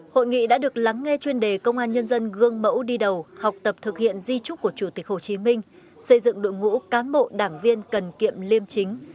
hội nghị đã được lắng nghe chuyên đề công an nhân dân gương mẫu đi đầu học tập thực hiện di trúc của chủ tịch hồ chí minh xây dựng đội ngũ cán bộ đảng viên cần kiệm liêm chính